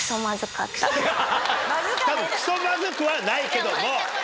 ハハハ多分クソまずくはないけども。